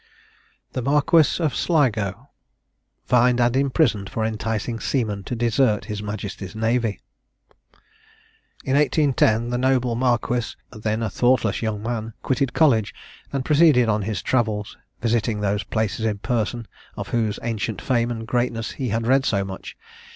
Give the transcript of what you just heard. THE MARQUIS OF SLIGO. FINED AND IMPRISONED FOR ENTICING SEAMEN TO DESERT HIS MAJESTY'S NAVY. In 1810, the noble marquis, then a thoughtless young man, quitted college, and proceeded on his travels, visiting those places in person, of whose ancient fame and greatness he had read so much.